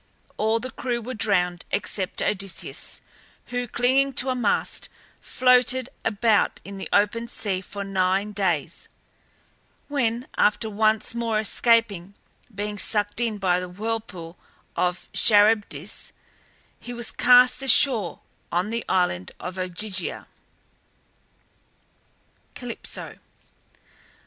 All the crew were drowned except Odysseus, who, clinging to a mast, floated about in the open sea for nine days, when, after once more escaping being sucked in by the whirlpool of Charybdis, he was cast ashore on the island of Ogygia. CALYPSO.